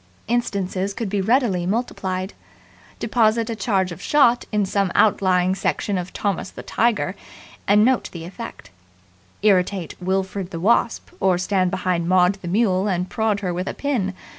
Instances could be readily multiplied. Deposit a charge of shot in some outlying section of Thomas the Tiger, and note the effect. Irritate Wilfred the Wasp, or stand behind Maud the Mule and prod her with a pin.